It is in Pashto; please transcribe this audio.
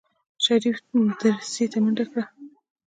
شريف دريڅې ته منډه کړه.